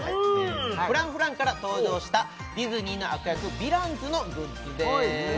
Ｆｒａｎｃｆｒａｎｃから登場したディズニーの悪役ヴィランズのグッズです